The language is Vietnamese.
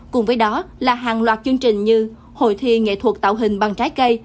cùng với đó là hàng loạt chương trình như hội thi nghệ thuật tạo hình bằng trái cây